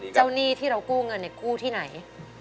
เจ้าหนี้ที่เรากู้เงินเนี่ยกู้ที่ไหน